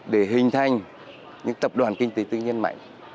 để hình thành những tập đoàn kinh tế tư nhân mạnh